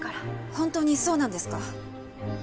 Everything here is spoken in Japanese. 本当にそうなんですか？